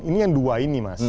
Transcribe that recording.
ini yang dua ini mas